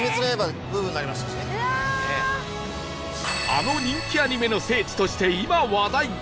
あの人気アニメの聖地として今話題！